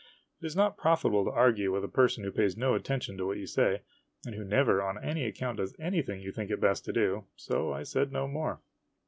It is not profitable to argue with a person who pays no attention to what you say, and who never on any account does anything you think it best to do, so I said no more.